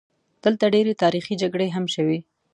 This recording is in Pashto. دلته ډېرې تاریخي جګړې هم شوي.